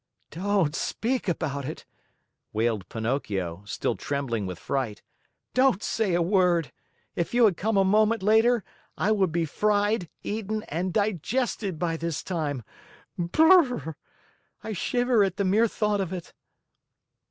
"Don't speak about it," wailed Pinocchio, still trembling with fright. "Don't say a word. If you had come a moment later, I would be fried, eaten, and digested by this time. Brrrrrr! I shiver at the mere thought of it."